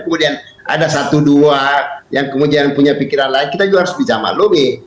kemudian ada satu dua yang kemudian punya pikiran lain kita juga harus bisa maklumi